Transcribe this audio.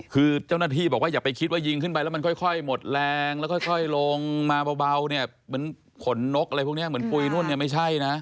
คือเจ้าหน้าที่บอกว่าอย่าไปคิดว่ายิงขึ้นไปแล้วมันค่อยหมดแรงแล้วค่อยลงมาเบาเนี่ยเหมือนขนนกอะไรพวกนี้เหมือนปุ๋ยนู่นเนี่ยไม่ใช่นะ